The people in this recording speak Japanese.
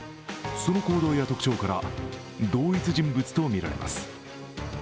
その行動や特徴から同一人物とみられます。